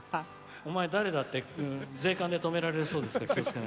お前、誰だ？って税関で止められるらしいですよ。